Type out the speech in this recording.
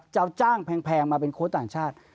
จ้างแพงมาเป็นโค้ชต่างชาติ